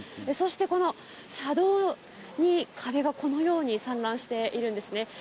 そしてこの車道に壁がこのように散乱しているんですね。